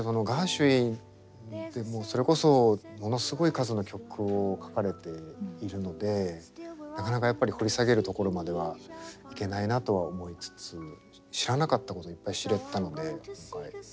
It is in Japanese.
ガーシュウィンってもうそれこそものすごい数の曲を書かれているのでなかなかやっぱり掘り下げるところまではいけないなとは思いつつ知らなかったこといっぱい知れたので今回。